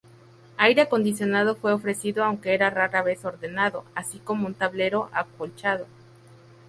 Aire acondicionado fue ofrecido aunque rara vez ordenado, así como un tablero acolchado.